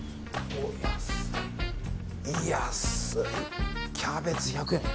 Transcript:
安い、キャベツ１００円